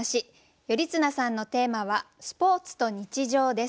頼綱さんのテーマは「スポーツと日常」です。